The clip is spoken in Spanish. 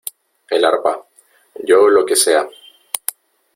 el arpa , yo lo que sea .